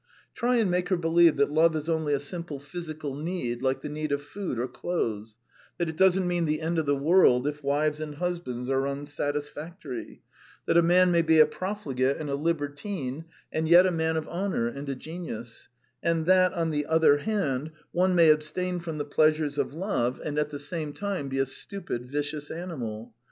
Try and make her believe that love is only a simple physical need, like the need of food or clothes; that it doesn't mean the end of the world if wives and husbands are unsatisfactory; that a man may be a profligate and a libertine, and yet a man of honour and a genius; and that, on the other hand, one may abstain from the pleasures of love and at the same time be a stupid, vicious animal!